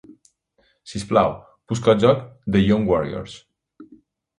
Sisplau, busca el joc The Young Warriors.